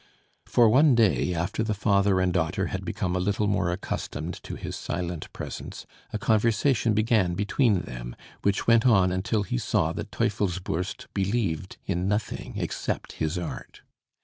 For one day, after the father and daughter had become a little more accustomed to his silent presence, a conversation began between them, which went on until he saw that Teufelsbürst believed in nothing except his art.